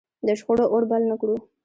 د شخړو اور بل نه کړو.